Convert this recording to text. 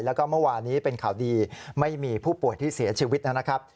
แล้วก็เมื่อวานี้เป็นข่าวดีไม่มีผู้ป่วยที่เสียชีวิตนะครับ